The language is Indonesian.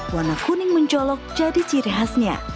warna kuning mencolok jadi ciri khasnya